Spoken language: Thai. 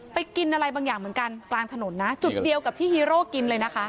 กินอะไรบางอย่างเหมือนกันกลางถนนนะจุดเดียวกับที่ฮีโร่กินเลยนะคะ